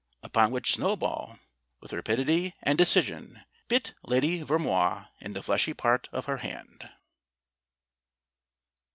Upon which Snowball, with rapidity and decision, bit Lady Vermoise in the fleshy part of her hand.